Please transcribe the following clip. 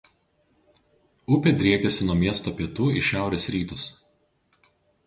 Upė driekiasi nuo miesto pietų į šiaurės rytus.